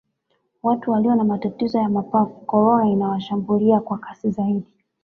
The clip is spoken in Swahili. watu waliyo na matatizo ya mapafu korona inawashambulia kwa kasi zaidi